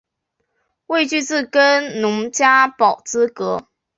未具自耕农加保资格